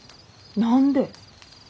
何で？